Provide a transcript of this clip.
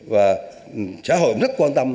và xã hội cũng rất quan tâm